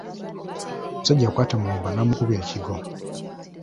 Omusajja yakwata Mulumba n’amukuba ekigwo.